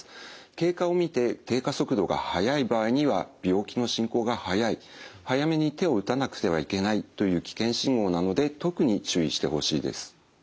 経過を見て低下速度が速い場合には病気の進行が速い早めに手を打たなくてはいけないという危険信号なので特に注意してほしいです。